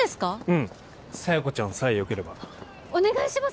うん佐弥子ちゃんさえよければお願いします